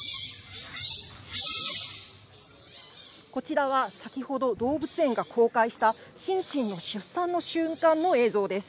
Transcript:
こちらは先ほど動物園が公開したシンシンの出産の瞬間の映像です。